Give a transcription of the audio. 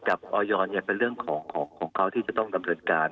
ออยเป็นเรื่องของเขาที่จะต้องดำเนินการ